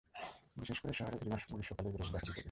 বিশেষ করে শহরে গ্রীষ্মকালে এ রোগ দেখা দিতো বেশি।